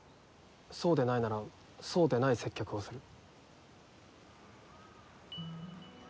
そうでないならそうでない接客をする。